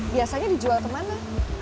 biasanya dijual ke mana